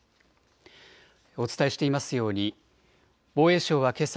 お伝えしていますように防衛省はけさ